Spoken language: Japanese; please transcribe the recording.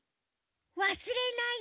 「わすれないでね。